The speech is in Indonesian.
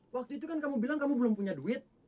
waktu itu kan kamu bilang kamu belum punya duit